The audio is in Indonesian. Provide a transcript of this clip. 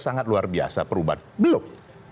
sangat luar biasa perubahan belum